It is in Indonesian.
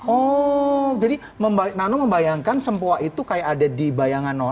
oh jadi nano membayangkan sempua itu kayak ada di bayangan nol